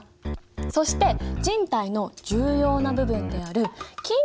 そして人体の重要な部分であるふん。